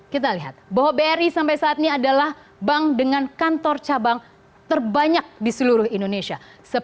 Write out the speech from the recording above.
kita lihat bahwa bri sampai saat ini adalah bank dengan kantor cabang terbanyak di seluruh indonesia